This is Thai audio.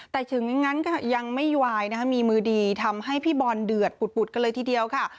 แต่ถึงงั้นก็ยังไม่วายนะคะมีมือดีทำให้พี่บอลเดือดปุดกันเลยทีเดียวค่ะ